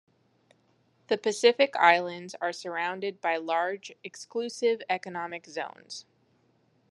The Pacific islands are surrounded by large Exclusive Economic Zones.